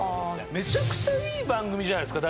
めちゃくちゃいい番組じゃないですか。